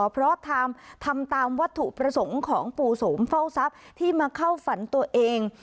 เพราะทำตามวัตถุประสงค์ของปู่โสมเฝ้าทรัพย์ที่มาเข้าฝันตัวเอง